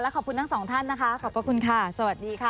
ขอบคุณทั้งสองท่านนะคะขอบพระคุณค่ะสวัสดีค่ะ